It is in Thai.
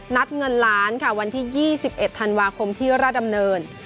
เงินล้านค่ะวันที่๒๑ธันวาคมที่ราชดำเนิน